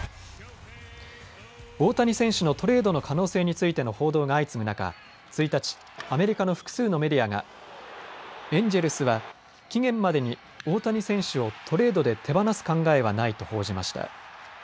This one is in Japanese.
大谷選手のトレードの可能性についての報道が相次ぐ中１日、アメリカの複数のメディアがエンジェルスは期限までに大谷選手をトレードで手放す考えはないと報じました。